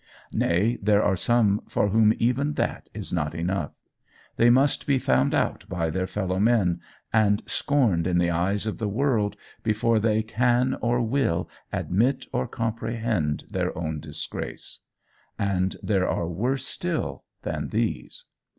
Nay there are some for whom even that is not enough; they must be found out by their fellow men, and scorned in the eyes of the world, before they can or will admit or comprehend their own disgrace. And there are worse still than these.